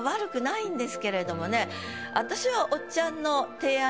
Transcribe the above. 私は。